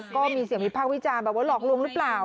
ก็มีเสียงวิพากษ์วิจารณ์แบบว่าหลอกลวงหรือเปล่า